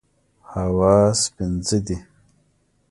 حواس پنځه دي.